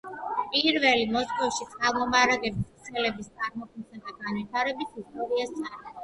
პირველი მოსკოვში წყალმომარაგების ქსელების წარმოქმნისა და განვითარების ისტორიას წარმოაჩენს.